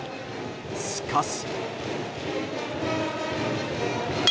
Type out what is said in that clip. しかし。